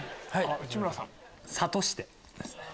内村さん。